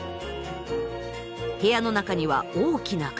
部屋の中には大きな鏡。